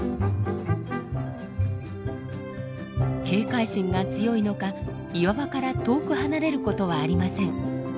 警戒心が強いのか岩場から遠く離れることはありません。